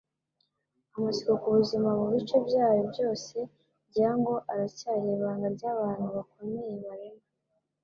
Amatsiko ku buzima mu bice byayo byose, ngira ngo aracyari ibanga ry'abantu bakomeye barema.”